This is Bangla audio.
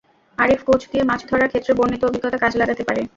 আরিফ কোঁচ দিয়ে মাছ ধরার ক্ষেত্রে বর্ণিত অভিজ্ঞতা কাজে লাগাতে পারে।